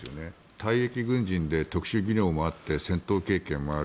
退役軍人で特殊技能もあって戦闘経験もある。